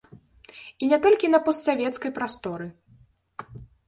І не толькі на постсавецкай прасторы.